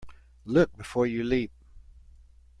Look before you leap.